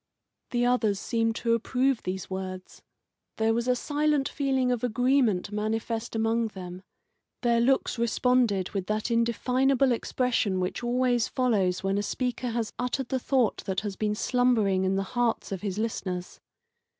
The others seemed to approve these words. There was a silent feeling of agreement manifest among them; their looks responded with that indefinable expression which always follows when a speaker has uttered the thought that has been slumbering in the hearts of his listeners.